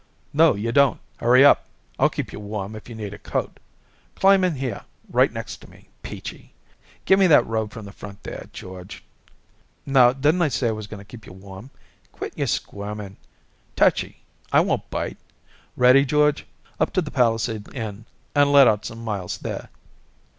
"No, you don't. Hurry up! I'll keep you warm if you need a coat. Climb in here right next to me, Peachy. Gimme that robe from the front there, George. "Now didn't I say I was going to keep you warm? Quit your squirming, Touchy. I won't bite. Ready, George. Up to the Palisade Inn, and let out some miles there."